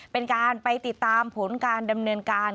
เป็นการไปติดตามผลการดำเนินการ